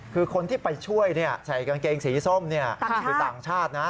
คือคนที่ไปช่วยใส่กางเกงสีส้มอยู่ต่างชาตินะ